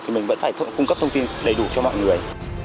thì mình vẫn phải cung cấp thông tin đầy đủ cho mọi người